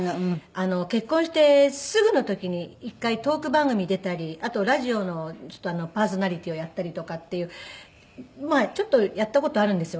結婚してすぐの時に一回トーク番組出たりあとラジオのパーソナリティーをやったりとかっていうまあちょっとやった事あるんですよ